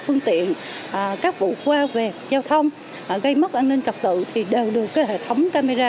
phương tiện các vụ qua về giao thông gây mất an ninh trật tự thì đều được hệ thống camera